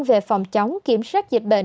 về phòng chống kiểm soát dịch bệnh